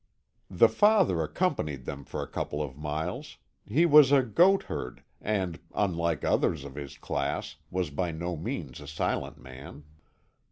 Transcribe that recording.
The father accompanied them for a couple of miles; he was a goat herd, and, unlike others of his class, was by no means a silent man.